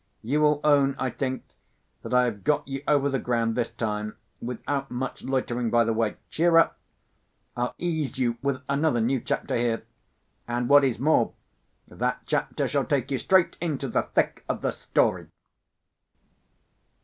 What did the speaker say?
You will own, I think, that I have got you over the ground this time, without much loitering by the way. Cheer up! I'll ease you with another new chapter here—and, what is more, that chapter shall take you straight into the thick of the story.